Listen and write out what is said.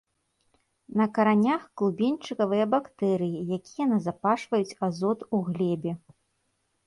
На каранях клубеньчыкавыя бактэрыі, якія назапашваюць азот у глебе.